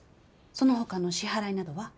その他の支払いなどは？